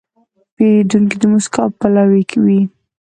پیرودونکی د موسکا پلوی وي.